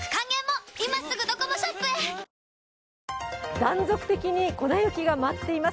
断続的に粉雪が舞っています。